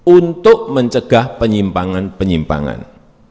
untuk mencegah penyimpangan penyimpangan